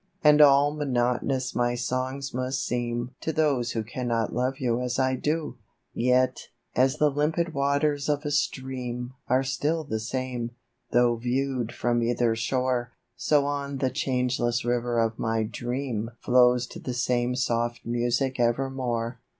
And all monotonous my songs must seem To those who cannot love you as I do. Yet, as the limpid waters of a stream Are still the same, though view'd from either shore, So on the changeless river of my dream Flows to the same soft music evermore.